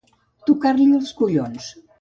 Tocar-li els collons.